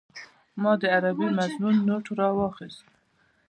ما د عربي مضمون نوټ راواخيست.